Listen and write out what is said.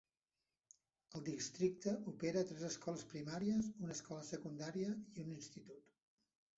El districte opera tres escoles primàries, una escola secundària i un institut.